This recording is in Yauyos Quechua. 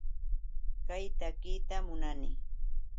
Kay takiyta munaami.